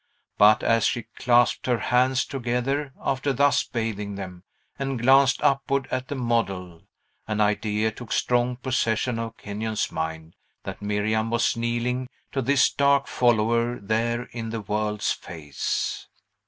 But as she clasped her hands together after thus bathing them, and glanced upward at the model, an idea took strong possession of Kenyon's mind that Miriam was kneeling to this dark follower there in the world's face!